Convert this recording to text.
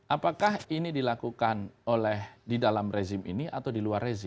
apakah ini dilakukan oleh di dalam rezim ini atau di luar rezim